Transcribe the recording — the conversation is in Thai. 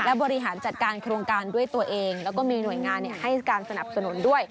และบริหารจัดการโครงการด้วยตัวเองแล้วก็มีหน่วยงานให้การสนับสนุนด้วย